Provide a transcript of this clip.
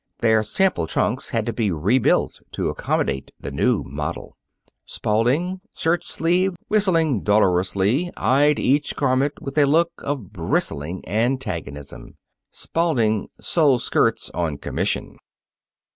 Their sample trunks had to be rebuilt to accommodate the new model. Spalding, shirt sleeved, whistling dolorously, eyed each garment with a look of bristling antagonism. Spalding sold skirts on commission.